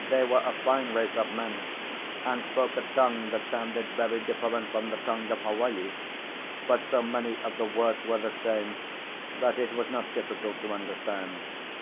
They were a fine race of men, and spoke a tongue that sounded very different from the tongue of Hawaii, but so many of the words were the same that it was not difficult to understand.